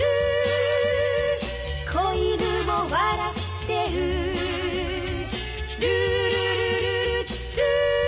「小犬も笑ってる」「ルールルルルルー」